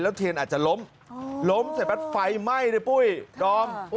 เทียนอาจจะล้มล้มเสร็จปั๊บไฟไหม้ในปุ้ยดอม